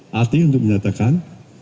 hati untuk menyatakan